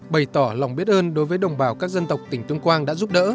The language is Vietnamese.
bày tỏ lòng biết ơn đối với đồng bào các dân tộc tỉnh tuyên quang đã giúp đỡ